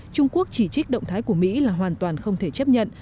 trung quốc chỉ trích động thái của mỹ là hoàn toàn không thể chấp nhận